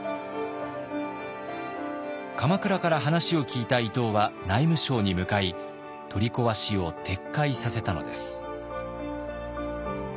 鎌倉から話を聞いた伊東は内務省に向かい取り壊しを撤回させたのです。